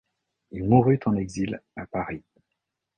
Il mourut en exil à Paris.